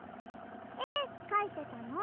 えかいてたの？